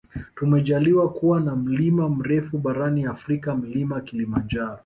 Tumejaliwa kuwa na mlima mrefu barani afrika mlima kilimanjaro